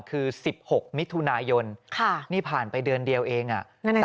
คือสิบหกมิทุนายนต์ค่ะนี่ผ่านไปเดือนเดียวเองอ่ะนั่น